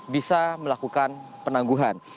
bisa melakukan penangguhan